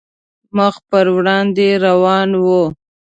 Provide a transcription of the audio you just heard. مخ په وړاندې روان وو.